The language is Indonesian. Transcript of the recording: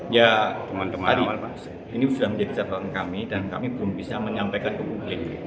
ya kemarin ini sudah menjadi catatan kami dan kami belum bisa menyampaikan ke publik